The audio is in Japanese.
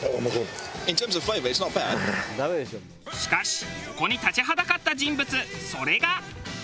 しかしここに立ちはだかった人物それが。